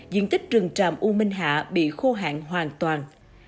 diện tích rừng tràm u minh hạ bị khô hạn hoàn toàn